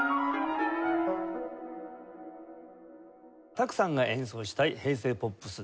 多久さんが演奏したい平成ポップスです。